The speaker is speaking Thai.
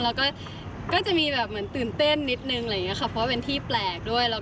แล้วก็จะมีตื่นเต้นนิดหนึ่งเพราะว่าเป็นที่แปลกด้วย